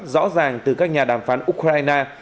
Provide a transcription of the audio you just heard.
rõ ràng từ các nhà đàm phán ukraine